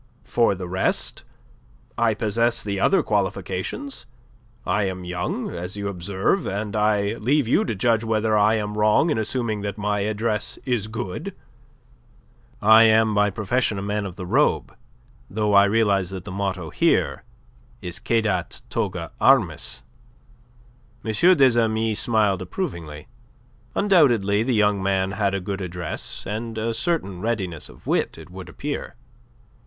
"For the rest: I possess the other qualifications. I am young, as you observe: and I leave you to judge whether I am wrong in assuming that my address is good. I am by profession a man of the robe, though I realize that the motto here is cedat toga armis." M. des Amis smiled approvingly. Undoubtedly the young man had a good address, and a certain readiness of wit, it would appear.